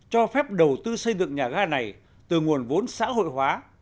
cho phép đầu tư xây dựng nhà ga này từ nguồn vốn xã hội hóa